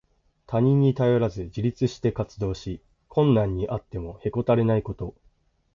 他人に頼らず自立して活動し、困難にあってもへこたれないこと。